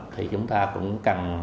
thì chúng ta cũng cần